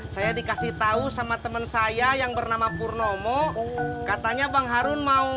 saya dikasih tahu sama teman saya yang bernama purnomo katanya bang harun mau